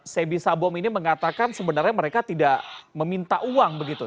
sebi sabom ini mengatakan sebenarnya mereka tidak meminta uang begitu